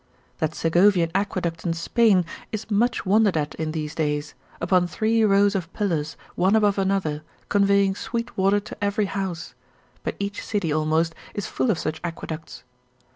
That Segovian aqueduct in Spain, is much wondered at in these days, upon three rows of pillars, one above another, conveying sweet water to every house: but each city almost is full of such aqueducts.